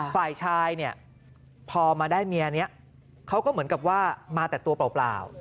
ฝ่ายชายเนี่ยพอมาได้เมียนี้เขาก็เหมือนกับว่ามาแต่ตัวเปล่า